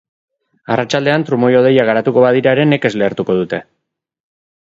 Arratsaldean trumoi-hodeiak garatuko badira ere nekez lehertuko dute.